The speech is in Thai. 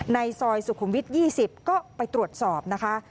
ในซอยสุขุมวิท๒๐ก็ไปตรวจสอบนะคะ